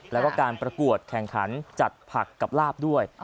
แล้วก็การประกวดแข่งขันจัดผักกับลาบด้วย